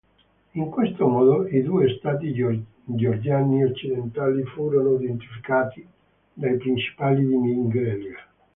In questo modo, i due stati georgiani occidentali furono unificati dai principi di Mingrelia.